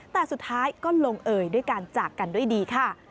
แต่สุดท้ายก็ลงเอยด้วยการจากกันด้วยดีค่ะ